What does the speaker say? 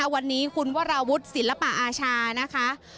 วันนี้คุณวราวุฒิศิลปะอาชานะคะ